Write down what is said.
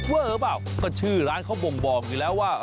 เว้อร์บ้าวก็ชื่อร้านเขาบ่งอยู่แล้วว่า